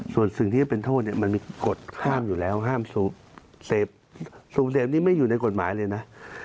ส่วนสิ่งที่จะเป็นโทษเนี่ยมันมีกฎห้ามอยู่แล้วห้ามเสพสูบเสพนี้ไม่อยู่ในกฎหมายเลยนะ